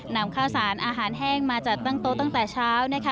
นำข้าวสารอาหารแห้งมาจัดตั้งโต๊ะตั้งแต่เช้านะคะ